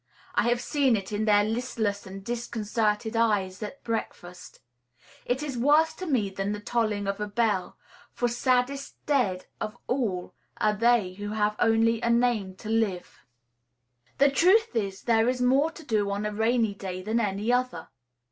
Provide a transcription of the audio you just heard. I have seen it in their listless and disconcerted eyes at breakfast. It is worse to me than the tolling of a bell; for saddest dead of all are they who have only a "name to live." The truth is, there is more to do on a rainy day than on any other.